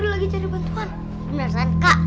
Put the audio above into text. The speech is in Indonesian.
jangan lupa ital tela